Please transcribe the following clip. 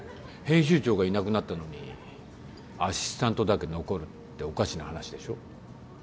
編集長がいなくなったのにアシスタントだけ残るっておかしな話でしょ？